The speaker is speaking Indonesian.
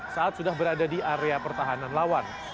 saat sudah berada di area pertahanan lawan